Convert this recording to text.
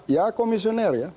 ya komisioner ya